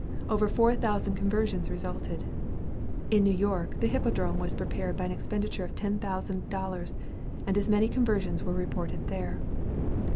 Over four thousand conversions resulted. In New York the Hippodrome was prepared by an expenditure of ten thousand dollars, and as many conversions were reported here.